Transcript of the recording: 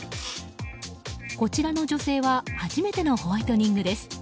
こちらの女性は初めてのホワイトニングです。